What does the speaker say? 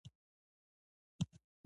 ایا وینه مو ژر وچیږي؟